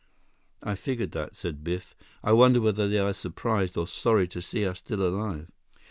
"I figured that," said Biff. "I wonder whether they are surprised or sorry to see us still alive."